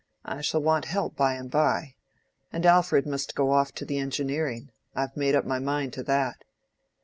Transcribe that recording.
I shall want help by and by. And Alfred must go off to the engineering—I've made up my mind to that."